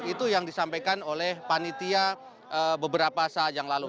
itu yang disampaikan oleh panitia beberapa saat yang lalu